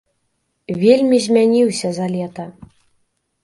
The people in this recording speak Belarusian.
Вельмі змяніўся за лета.